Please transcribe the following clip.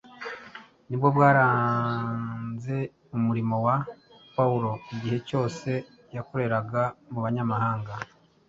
ni bwo bwaranze umurimo wa Pawulo igihe cyose yakoreraga mu Banyamahanga.